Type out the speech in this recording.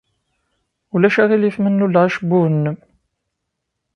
Ulac aɣilif ma nnuleɣ acebbub-nnem?